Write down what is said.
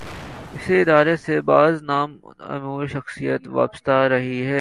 اس ادارے سے بعض نامور علمی شخصیات وابستہ رہی ہیں۔